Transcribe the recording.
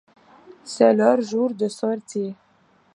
C'est leur jour de sortie.